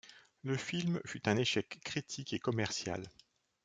Le film fut un échec critique et commercial.